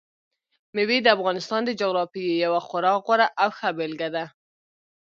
مېوې د افغانستان د جغرافیې یوه خورا غوره او ښه بېلګه ده.